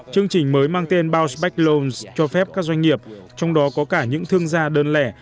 chương trình mới mang tên bounce back loans cho phép các doanh nghiệp trong đó có cả những thương gia đơn lẻ